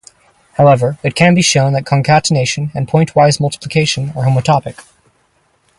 However, it can be shown that concatenation and pointwise multiplication are homotopic.